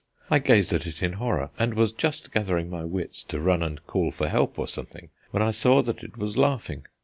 I gazed at it in horror, and was just gathering my wits to run and call for help or something, when I saw that it was laughing.